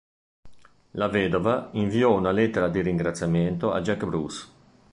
La vedova inviò una lettera di ringraziamento a Jack Bruce.